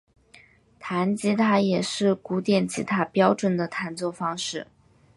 指弹吉他也是古典吉他标准的弹奏方式。